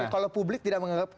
kalau publik tidak menganggap